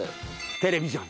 『テレビジョン』。